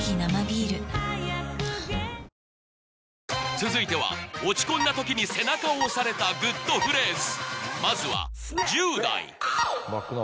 続いては落ち込んだ時に背中を押されたグッとフレーズ